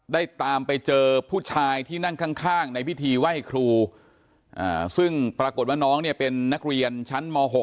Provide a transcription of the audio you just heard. ได้ตามไปเจอผู้ชายที่นั่งข้างในพิธีไหว้ครูซึ่งปรากฏว่าน้องเนี่ยเป็นนักเรียนชั้นม๖